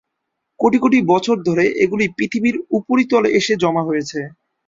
কোটি কোটি বছর ধরে এগুলি পৃথিবীর উপরিতলে এসে জমা হয়েছে।